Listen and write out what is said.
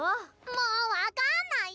もう分かんないよ！